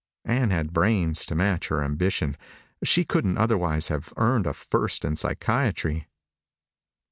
Ann had brains to match her ambition. She couldn't otherwise have earned a First in Psychiatry.